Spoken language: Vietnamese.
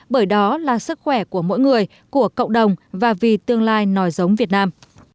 bởi đó là sức khỏe của mỗi người của cộng đồng và vì tương lai nổi giống việt nam